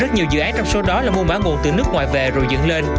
rất nhiều dự án trong số đó là mua mã nguồn từ nước ngoài về rồi dựng lên